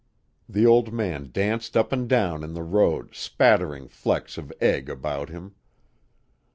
The old man danced up and down in the road, spattering flecks of egg about him.